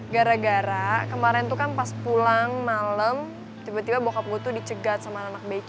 gara gara kemarin tuh kan pas pulang malem tiba tiba bokap gue tuh dicegat sama anak anak bc